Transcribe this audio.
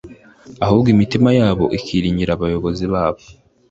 Ahubwo imitima yabo ikiringira abayobozi babo.